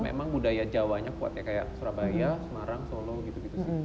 memang budaya jawanya kuat ya kayak surabaya semarang solo gitu gitu sih